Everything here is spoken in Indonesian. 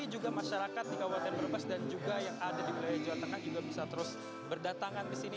nanti juga masyarakat di kabupaten berbas dan juga yang ada di wilayah jawa tengah juga bisa terus berdatangan kesini